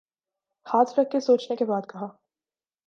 ہاتھ رکھ کر سوچنے کے بعد کہا۔